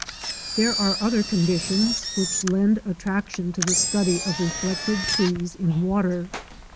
There are other conditions which lend attraction to the study of reflected trees in water.